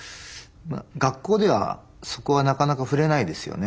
学校ではそこはなかなか触れないですよね